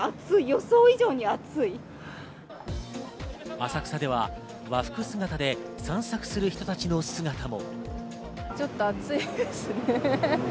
浅草では和服姿で散策する人たちの姿も。